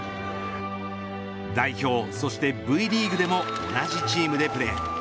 代表、そしてＶリーグでも同じチームでプレー。